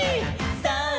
さあ